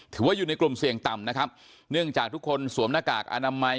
ถือว่าอยู่ในกลุ่มเสี่ยงต่ำนะครับเนื่องจากทุกคนสวมหน้ากากอนามัย